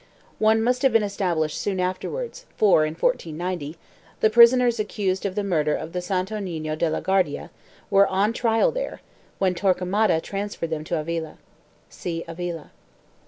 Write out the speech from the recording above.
2 One must have been established soon afterwards for, in 1490, the prisoners accused of the murder of the Santo Nino de la Ouardia were on trial there when Torquemada transferred them to Avila. (See AVILA.)